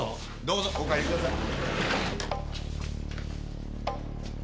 どうぞお帰りください。